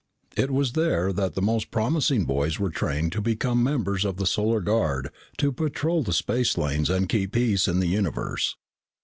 It was there that the most promising boys were trained to become members of the Solar Guard to patrol the space lanes and keep peace in the universe.